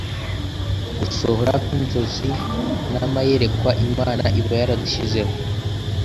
Gusohora kw’inzozi n’amayerekwa Imana iba yaradushyizemo